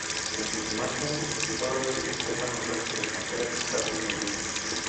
En sus márgenes todavía se observan los restos de canteras y casas en ruinas.